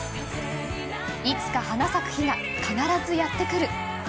いつか花咲く日が必ずやってくる。